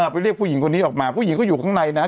ไปเรียกผู้หญิงคนนี้ออกมาผู้หญิงก็อยู่ข้างในนะฮะ